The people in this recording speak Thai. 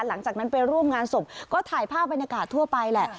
หลังจากนั้นไปร่วมงานศพก็ถ่ายภาพบรรยากาศทั่วไปแหละ